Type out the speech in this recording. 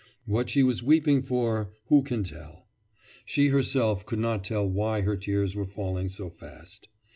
What she was weeping for who can tell? She herself could not tell why her tears were falling so fast.